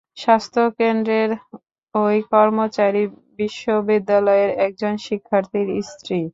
স্বাস্থ্যকেন্দ্রের ওই কর্মচারী বিশ্ববিদ্যালয়ের একজন শিক্ষার্থীর স্ত্রী।